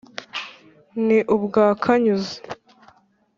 Ni ubwa Kanyuza*